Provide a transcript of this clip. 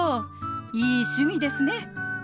いい趣味ですね。